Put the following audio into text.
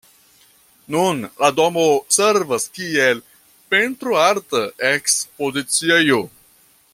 Nun la domo servas kiel pentro-arta ekspoziciejo.